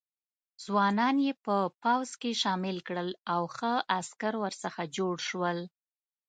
ځوانان یې په پوځ کې شامل کړل او ښه عسکر ورڅخه جوړ شول.